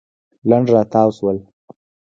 لنډ راتاو شول.